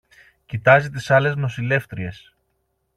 Κοιτάζει τις άλλες νοσηλεύτριες